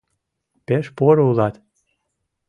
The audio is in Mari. Пеш поро улат!